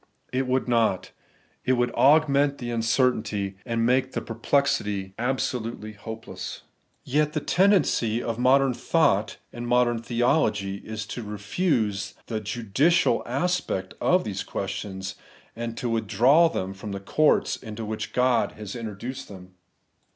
It would not. It would augment the uncertainty, and make the perplexity absolutely hopeless. Yet the tendency of modern thought and modern theology is to refuse the judicial settlement of these questions, and to withdraw them from the courts into which God has introduced them.